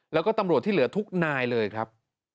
แล้วก็ตำรวจที่เหลือทุกนายเลยครับ